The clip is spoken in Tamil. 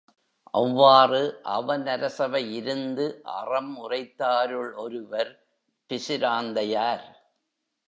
அவ்வாறு, அவன் அரசவை இருந்து அறம் உரைத்தாருள் ஒருவர் பிசிராந்தையார்.